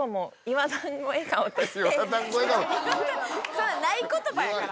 それない言葉やから。